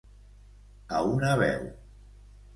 A una veu.